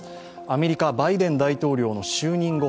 アメリカ・バイデン大統領の就任後